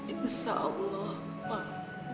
insya allah pak